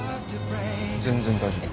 全然大丈夫。